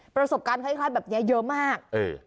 ประสบการณ์คล้ายแบบนี้เยอะมาก